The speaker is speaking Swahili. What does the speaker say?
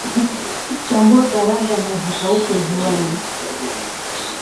Chambua karanga na zikaushe juani